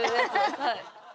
はい。